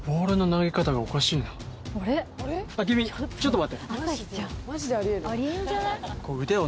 君ちょっと待って。